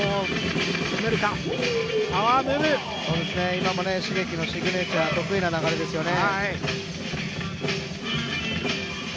今もＳｈｉｇｅｋｉｘのシグネチャー、得意な流れですよね。